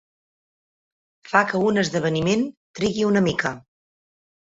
Fa que un esdeveniment trigui una mica.